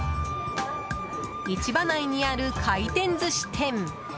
市場内にある回転寿司店。